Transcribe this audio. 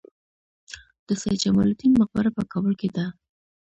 د سید جمال الدین مقبره په کابل کې ده